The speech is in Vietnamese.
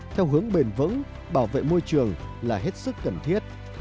theo hướng bền vững bảo vệ môi trường là hết sức cần thiết